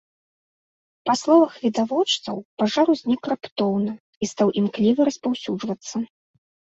Па словах відавочцаў, пажар узнік раптоўна і стаў імкліва распаўсюджвацца.